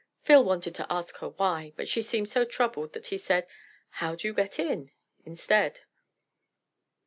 Phil wanted to ask her why, but she seemed so troubled that he said "How do you get in?" instead.